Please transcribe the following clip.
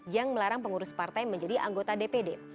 yang melarang pengurus partai menjadi anggota dpd